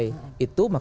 itu maka tidak berhasil